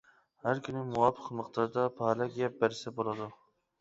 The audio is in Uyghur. ھەر كۈنى مۇۋاپىق مىقداردا پالەك يەپ بەرسە بولىدۇ.